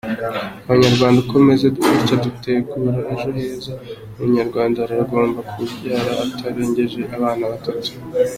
Abanyarwanda uko tumeze gutya dutegura ejo heza, Umunyarwanda aragomba kubyara atarengeje abana batatu.